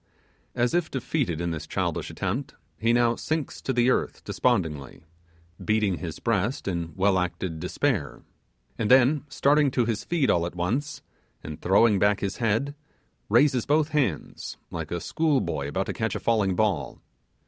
As if defeated in this childish attempt, he now sinks to the earth despondingly, beating his breast in well acted despair; and then, starting to his feet all at once, and throwing back his head, raises both hands, like a school boy about to catch a falling ball.